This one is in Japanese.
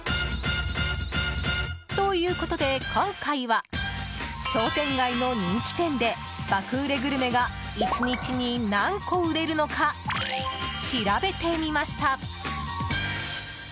ということで今回は商店街の人気店で爆売れグルメが１日に何個売れるのか調べてみました。